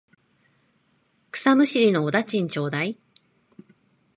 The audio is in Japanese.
草むしりのお駄賃ちょうだい。